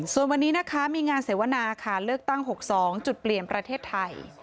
ส่วนวันนี้นะคะมีงานเสวนาค่ะเลือกตั้ง๖๒จุดเปลี่ยนประเทศไทย